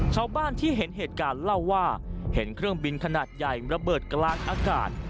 ชาวบ้านที่เห็นเหตุการณ์เล่าว่าเห็นเครื่องบินขนาดใหญ่ระเบิดกลางอากาศ